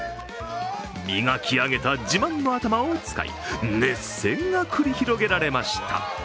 磨き上げた自慢の頭を使い、熱戦が繰り広げられました。